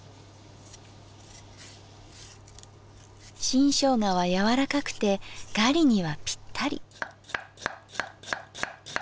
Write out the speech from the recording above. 新生姜は柔らかくてガリにはぴったり。